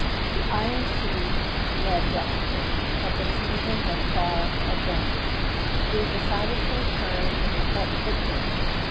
The inland sea led westward, but the season was far advanced. It was decided to return and report to the King.